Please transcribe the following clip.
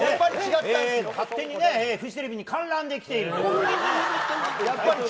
勝手にフジテレビに観覧で来ているという。